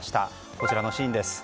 こちらのシーンです。